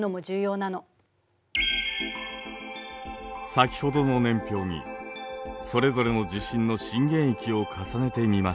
先ほどの年表にそれぞれの地震の震源域を重ねてみましょう。